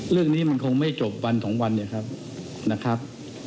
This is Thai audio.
เรื่องนี้มันคงไม่จบวันสองวันเนี่ยครับนะครับ